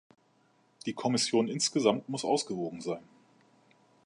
Die Kommission insgesamt muss ausgewogen sein.